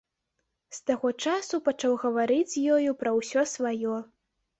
З таго часу пачаў гаварыць з ёю пра ўсё сваё.